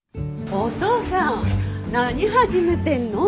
おとうさん何始めてんの？